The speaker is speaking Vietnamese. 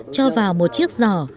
cho vào một chiếc giỏ